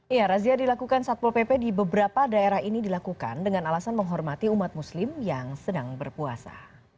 ya razia dilakukan satpol pp di beberapa daerah ini dilakukan dengan alasan menghormati umat muslim yang sedang berpuasa